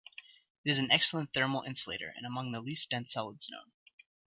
It is an excellent thermal insulator and among the least dense solids known.